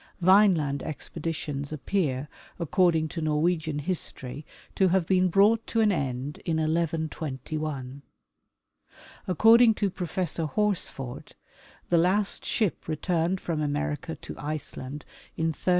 Vineland expedi tions appear, according to Norwegian history, to have been brought to an end in 1121. According to Professor Horsford, the last ship returned from America to Iceland in 1347.